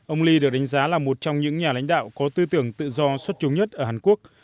ông lee được đánh giá là một trong những nhà lãnh đạo có tư tưởng tự do xuất trúng nhất ở hàn quốc